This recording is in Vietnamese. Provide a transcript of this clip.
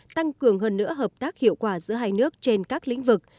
tăng cường hơn nữa hợp tác hiệu quả giữa hai nước trên các lĩnh vực